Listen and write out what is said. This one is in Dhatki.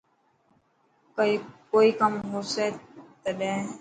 ڪوئي ڪم هو سي تٽهن.